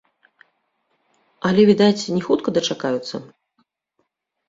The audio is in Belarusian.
Але, відаць, не хутка дачакаюцца?